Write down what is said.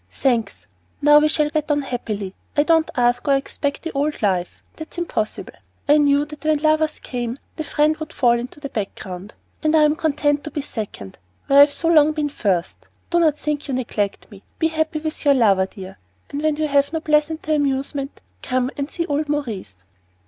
"Thanks! Now we shall get on happily. I don't ask or expect the old life that is impossible. I knew that when lovers came, the friend would fall into the background; and I am content to be second, where I have so long been first. Do not think you neglect me; be happy with your lover, dear, and when you have no pleasanter amusement, come and see old Maurice."